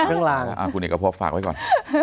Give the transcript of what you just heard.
เพิ่งลากันคุณเอกพบฝากไว้ก่อน